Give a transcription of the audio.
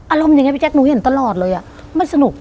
อารมณ์อย่างนี้พี่แจ๊คหนูเห็นตลอดเลยมันสนุก